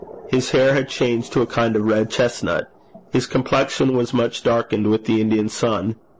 His hair had changed to a kind of red chestnut. His complexion was much darkened with the Indian sun.